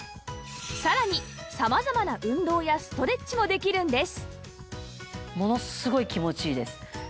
さらに様々な運動やストレッチもできるんです